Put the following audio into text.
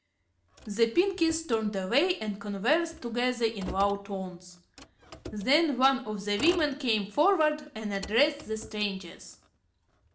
The Pinkies turned away and conversed together in low tones. Then one of the women came forward and addressed the strangers.